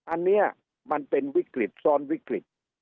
อันนี้มันเป็นวิกฤตซ้อนวิกฤต